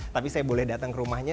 tapi saya boleh datang ke rumahnya